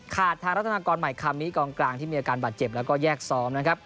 ทางรัฐนากรใหม่คำนี้กองกลางที่มีอาการบาดเจ็บแล้วก็แยกซ้อมนะครับ